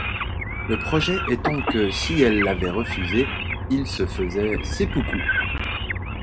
Le projet étant que si elle l'avait refusé, il se faisait seppuku.